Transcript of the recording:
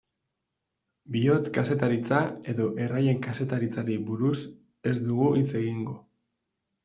Bihotz-kazetaritza edo erraien kazetaritzari buruz ez dugu hitz egingo.